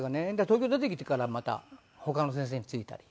東京出てきてからまた他の先生についたり。